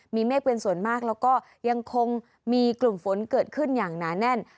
มีเมฆเป็นส่วนมากแล้วก็ยังคงมีกลุ่มฝนเกิดขึ้นอย่างหนาแน่น